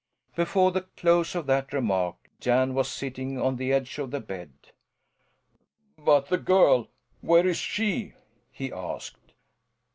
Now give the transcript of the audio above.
Before the close of that remark Jan was sitting on the edge of the bed. "But the girl? Where is she?" he asked.